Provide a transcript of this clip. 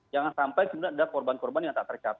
jangan sampai sebenarnya ada korban korban yang tak tercatat